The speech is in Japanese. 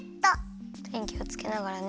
てにきをつけながらね。